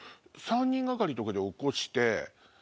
３人掛かりとかで起こして。